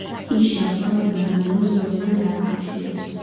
ის შავ ზღვას მარმარილოს ზღვასთან დააკავშირებს.